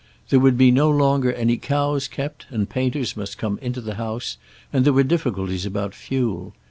There would be no longer any cows kept, and painters must come into the house, and there were difficulties about fuel.